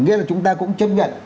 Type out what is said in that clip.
nghĩa là chúng ta cũng chấp nhận